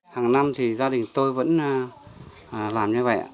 hàng năm thì gia đình tôi vẫn làm như vậy